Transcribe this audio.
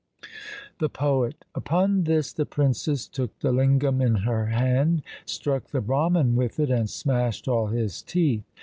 The Poet Upon this the princess took the lingam in her hand, struck the Brahman with it, and smashed all his teeth.